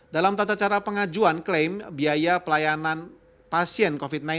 dalam tata cara pengajuan klaim biaya pelayanan pasien covid sembilan belas